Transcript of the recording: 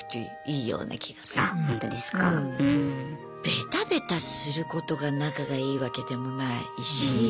ベタベタすることが仲がいいわけでもないし。